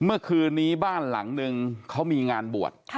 เมื่อคืนนี้บ้านหลังนึงเขามีงานบวช